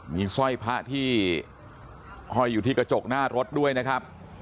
มีสร้อยพระที่ห้อยอยู่ที่กระจกหน้ารถด้วยนะครับ